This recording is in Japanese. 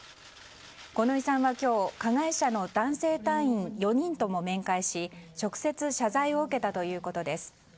五ノ井さんは今日加害者の男性隊員４人とも面会し直接謝罪を受けたということです。